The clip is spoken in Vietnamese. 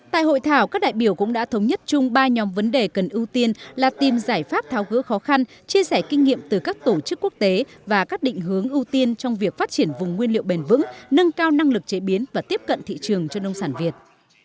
tại hội thảo các đại biểu cũng đã thống nhất chung ba nhóm vấn đề cần ưu tiên là tìm giải pháp tháo gỡ khó khăn chia sẻ kinh nghiệm từ các tổ chức quốc tế và các định hướng ưu tiên trong việc phát triển vùng nguyên liệu bền vững nâng cao năng lực chế biến và tiếp cận thị trường cho nông sản việt